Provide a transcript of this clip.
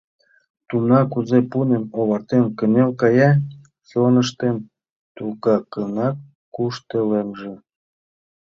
Тумна кузе пуным овартен кынел кая, чоныштем тугакынак куштылемже.